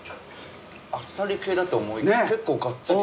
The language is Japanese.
あっさり系だと思いきや結構がっつり。